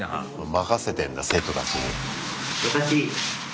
任せてんだ生徒たちに。